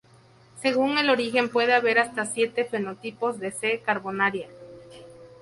Según el origen, puede haber hasta siete "fenotipos" de "C. carbonaria".